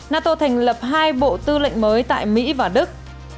nato thành lập hai bộ tư lệnh mới tại mỹ và đức